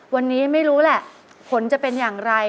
วันนี้ไม่รู้แหละผลจะเป็นอย่างไร